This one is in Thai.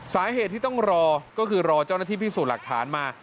สาเหตุที่ต้องรอก็คือรอเจ้าหน้าที่พิสูจน์หลักฐานมา